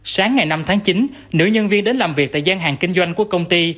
sáng ngày năm tháng chín nữ nhân viên đến làm việc tại gian hàng kinh doanh của công ty